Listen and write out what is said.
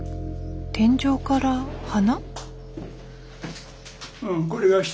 天井から花？